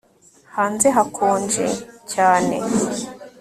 Hanze hakonje cyane